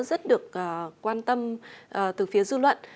rất được quan tâm từ phía du luận